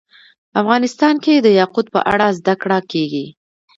افغانستان کې د یاقوت په اړه زده کړه کېږي.